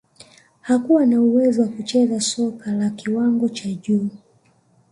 hakuwa na uwezo wa kucheza soka la kiwango cha juu